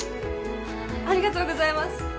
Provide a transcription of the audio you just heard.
ありがとうございます。